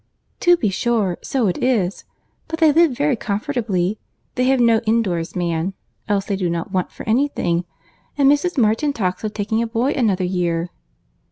"To be sure, so it is. But they live very comfortably. They have no indoors man, else they do not want for any thing; and Mrs. Martin talks of taking a boy another year."